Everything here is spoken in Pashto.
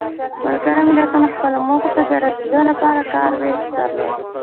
ملګرو ملتونو خپلو موخو ته د رسیدو لپاره کار ویش درلود.